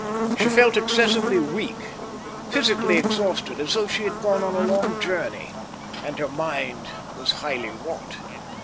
She felt excessively weak, physically exhausted as though she had gone a long journey, and her mind was highly wrought.